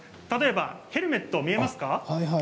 例えばヘルメット、見えますか？